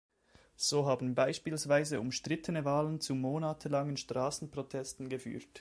So haben beispielsweise umstrittene Wahlen zu monatelangen Straßenprotesten geführt.